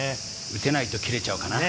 打てないと切れちゃうかな。